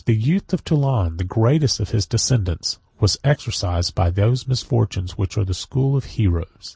The youth of Toulun, the greatest of his descendants, was exercised by those misfortunes which are the school of heroes.